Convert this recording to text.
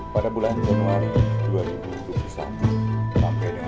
pada bulan januari dua ribu dua puluh satu sampai dengan hari dua ribu dua puluh dua